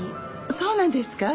そうなんですか？